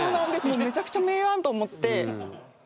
めちゃくちゃ名案と思って。